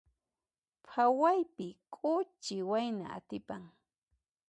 Phawaypi k'uchi wayna atipan.